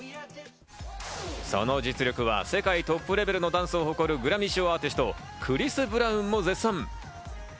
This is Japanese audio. その実力は世界トップレベルのダンスを誇るグラミー賞アーティスト、クリス・ブラウンも絶賛。